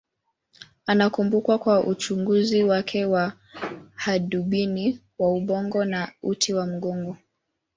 Anakumbukwa kwa uchunguzi wake wa hadubini wa ubongo na uti wa mgongo.